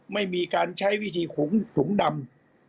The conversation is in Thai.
ไม่มีการใช้วิธีขุงถุงดำ